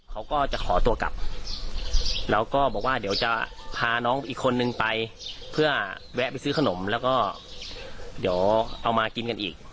เขาก็จะขอตัวกลับแล้วก็บอกว่าเดี๋ยวจะพาน้องอีกคนนึงไปเพื่อแวะไปซื้อขนมแล้วก็เดี๋ยวเอามากินกันอีก